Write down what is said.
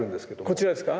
こちらですか？